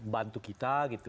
bantu kita gitu